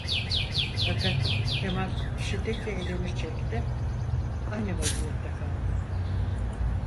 Fakat Kemal şiddetle elini çekti, aynı vaziyette kaldı.